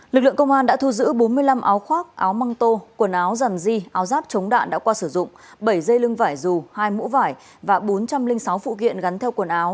lực lượng công an đã thu giữ bốn mươi năm áo khoác áo măng tô quần áo dằn di áo giáp chống đạn đã qua sử dụng bảy dây lưng vải dù hai mũ vải và bốn trăm linh sáu phụ kiện gắn theo quần áo